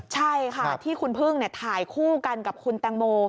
ใช่ค่ะที่คุณพึ่งถ่ายคู่กันกับคุณแตงโม